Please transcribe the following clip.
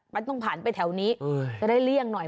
มันต้องผ่านไปแถวนี้จะได้เลี่ยงหน่อย